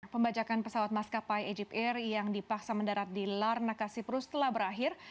pembajakan pesawat maskapai egypt air yang dipaksa mendarat di larnakasi prus telah berakhir